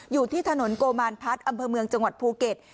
อยู่ที่ถนนโกมารพัฒน์อำเภอเมืองจังหวัดภูเก็ต